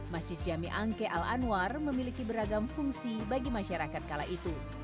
masjid jami angke al anwar memiliki beragam fungsi bagi masyarakat kala itu